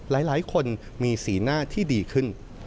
หลายคนมีสีหน้าที่ดีขึ้น